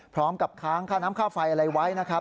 พร้อมกับค้างข้าวน้ำข้าวไฟอะไรไว้นะครับ